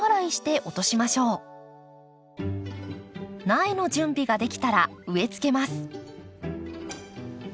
苗の準備ができたら植えつけます。